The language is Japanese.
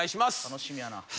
楽しみやな。